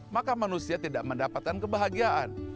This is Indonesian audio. maka manusia tidak mendapatkan kebahagiaan